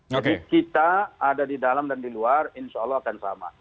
jadi kita ada di dalam dan di luar insya allah akan sama